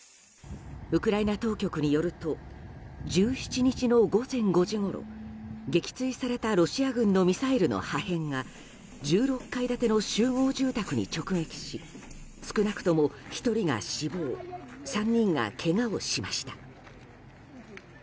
ウクライナ当局によると１７日の午前５時ごろ撃墜されたロシア軍のミサイルの破片が１６階建ての集合住宅に直撃し少なくとも１人が死亡３人がけがをしました。